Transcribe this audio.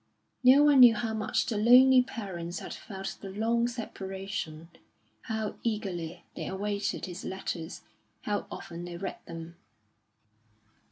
No one knew how much the lonely parents had felt the long separation, how eagerly they awaited his letters, how often they read them.